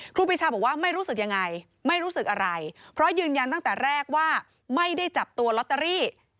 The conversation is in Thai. ครูปีชาบอกว่าไม่รู้สึกยังไงไม่รู้สึกอะไรเพราะยืนยันตั้งแต่แรกว่าไม่ได้จับตัวลอตเตอรี่